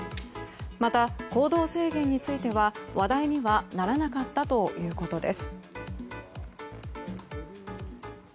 また、行動制限については話題にはならなかったということです。